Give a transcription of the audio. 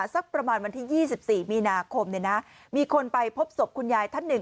สักประมาณวันที่๒๔มีนาคมเนี่ยนะมีคนไปพบศพคุณยายท่านหนึ่ง